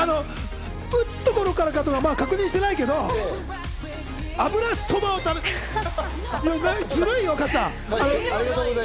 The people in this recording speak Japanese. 打つところからかは確認してないけど、油そばを食べたい。